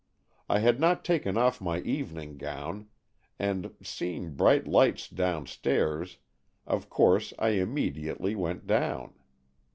I had not taken off my evening gown, and, seeing bright lights downstairs, of course I immediately went down.